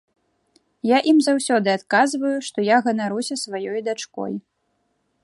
Я ім заўсёды адказваю, што я ганаруся сваёй дачкой.